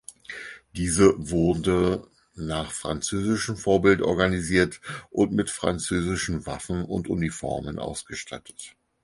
Diese wurde nach französischem Vorbild organisiert und mit französischen Waffen und Uniformen ausgestattet.